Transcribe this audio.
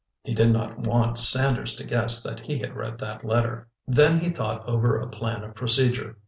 He did not want Sanders to guess that he had read that letter. Then he thought over a plan of procedure.